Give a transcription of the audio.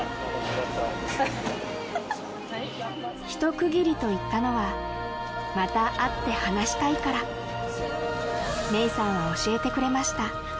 フフフフ一区切りと言ったのはまた会って話したいからメイさんは教えてくれました